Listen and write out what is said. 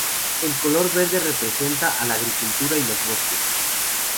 El color verde representa a la agricultura y los bosques.